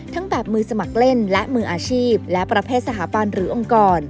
แบบมือสมัครเล่นและมืออาชีพและประเภทสถาบันหรือองค์กร